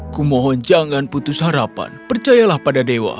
kumohon jangan putus harapan percayalah pada dewa